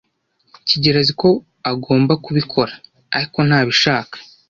kigeli azi ko agomba kubikora, ariko ntabishaka.